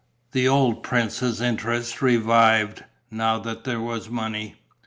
The old prince's interest revived, now that there was money.